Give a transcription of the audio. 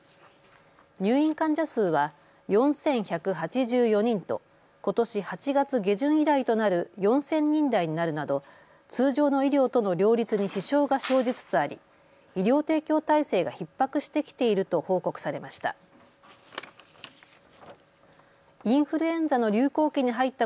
入院患者数は４１８４人とことし８月下旬以来となる４０００人台になるなど通常の医療との両立に支障が生じつつあり、医療提供体制がひっ迫してきていると報告されました。